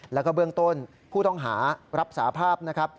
แล้วก็เบื้องต้นผู้ต้องหารับสาภาพนะครับ